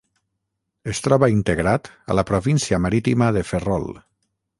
Es troba integrat a la província marítima de Ferrol.